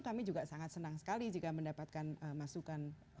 kami juga sangat senang sekali jika mendapatkan masukan